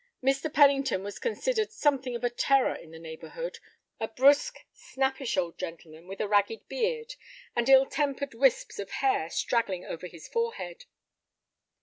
Mr. Pennington was considered something of a terror in the neighborhood, a brusque, snappish old gentleman with a ragged beard, and ill tempered wisps of hair straggling over his forehead.